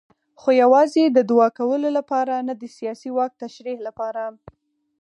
خو یوازې د دوعا کولو لپاره نه د سیاسي واک تشریح لپاره.